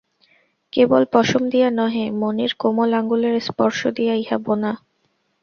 কেবল পশম দিয়া নহে, মণির কোমল আঙুলের স্পর্শ দিয়া ইহা বোনা।